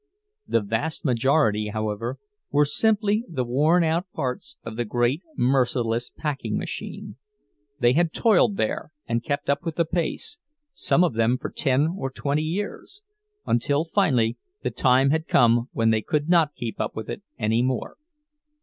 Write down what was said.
The vast majority, however, were simply the worn out parts of the great merciless packing machine; they had toiled there, and kept up with the pace, some of them for ten or twenty years, until finally the time had come when they could not keep up with it any more.